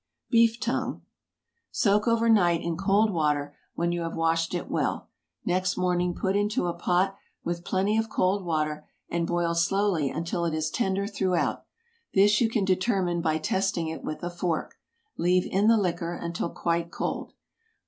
BEEF TONGUE. Soak over night in cold water when you have washed it well. Next morning put into a pot with plenty of cold water, and boil slowly until it is tender throughout. This you can determine by testing it with a fork. Leave in the liquor until quite cold.